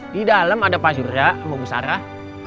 di dalam ada pak jura sama bu sarah